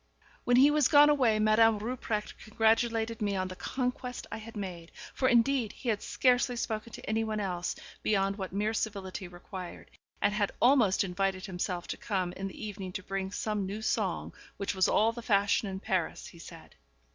When he was gone away, Madame Rupprecht congratulated me on the conquest I had made; for, indeed, he had scarcely spoken to anyone else, beyond what mere civility required, and had almost invited himself to come in the evening to bring some new song, which was all the fashion in Paris, he said.